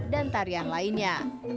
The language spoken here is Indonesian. dan tarian lainnya